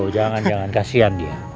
jangan jangan kasihan dia